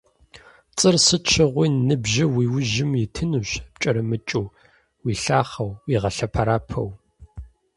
Пцӏыр сыт щыгъуи ныбжьу уи ужьым итынущ пкӀэрымыкӀыу, уилъахъэу, уигъэлъэпэрапэу.